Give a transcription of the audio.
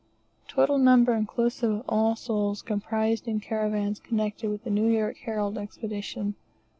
Total number, inclusive of all souls, comprised in caravans connected with the "New York Herald' Expedition," 192.